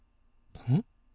うん？